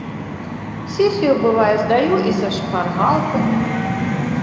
Сесію бывае здаю і са шпаргалкамі.